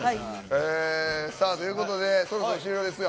さあ、ということで、そろそろ終了ですが。